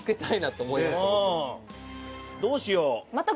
どうしよう。